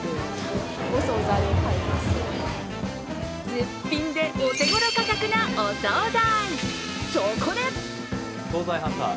絶品でお手ごろ価格なお総菜。